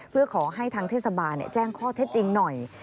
เพื่อขอให้ทางเทศบาลแจ้งข้อเท็จจริงหน่อย